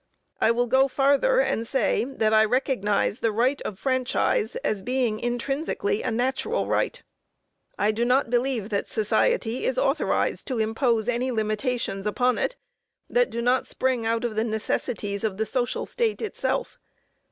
I will go farther and say, that I recognize the right of franchise as being intrinsically a natural right. I do not believe that society is authorized to impose any limitations upon it that do not spring out of the necessities of the social state itself.